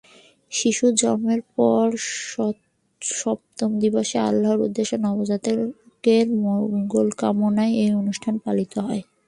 শিশুর জন্মের পর সপ্তম দিবসে আল্লাহর উদ্দেশ্যে নবজাতকের মঙ্গলকামনায় এ অনুষ্ঠান পালিত হয়।